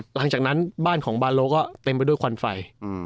หลังจากนั้นบ้านของบาโลก็เต็มไปด้วยควันไฟ